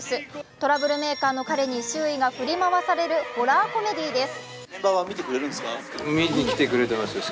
トラブルメーカーの彼に周囲が振り回されるホラーコメディーです。